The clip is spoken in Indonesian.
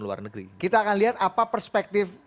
luar negeri kita akan lihat apa perspektif